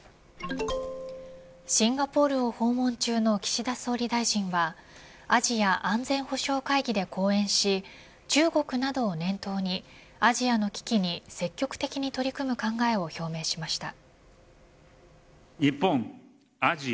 シンガポールを訪問中の岸田総理大臣はアジア安全保障会議で講演し中国などを念頭にアジアの危機に積極的に取り組む考えを表明しました。